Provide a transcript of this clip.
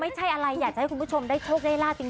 ไม่ใช่อะไรอยากจะให้คุณผู้ชมได้โชคได้ลาบจริง